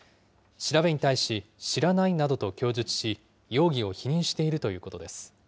調べに対し、知らないなどと供述し、容疑を否認しているということです。